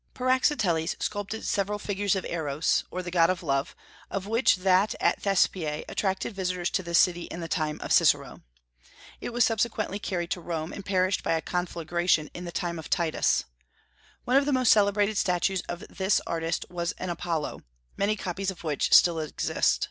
Praxiteles sculptured several figures of Eros, or the god of love, of which that at Thespiae attracted visitors to the city in the time of Cicero. It was subsequently carried to Rome, and perished by a conflagration in the time of Titus. One of the most celebrated statues of this artist was an Apollo, many copies of which still exist.